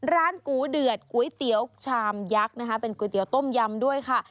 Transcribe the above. กูเดือดก๋วยเตี๋ยวชามยักษ์นะคะเป็นก๋วยเตี๋ยวต้มยำด้วยค่ะ